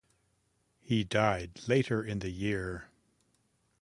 He died later in the year.